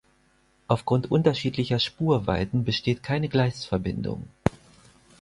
Aufgrund unterschiedlicher Spurweiten besteht keine Gleisverbindung.